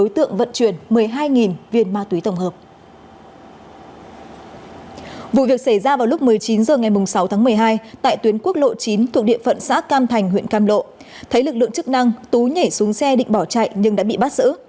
tại tuyến quốc lộ chín thuộc địa phận xã cam thành huyện cam lộ thấy lực lượng chức năng tú nhảy xuống xe định bỏ chạy nhưng đã bị bắt giữ